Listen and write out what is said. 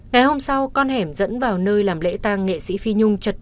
ngày hôm sau con hẻm dẫn vào nơi làm lễ tang nghệ sĩ phi nhung trật